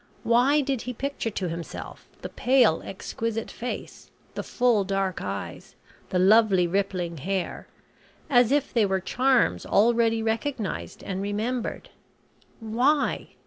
Why did he picture to himself the pale exquisite face the full dark eyes the lovely rippling hair as if they were charms already recognised and remembered. Why?